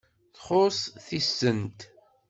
Txuṣṣ tisent.